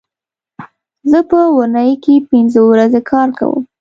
زه په اونۍ کې پینځه ورځې کار کوم